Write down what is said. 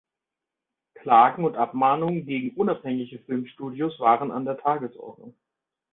Klagen und Abmahnungen gegen unabhängige Filmstudios waren an der Tagesordnung.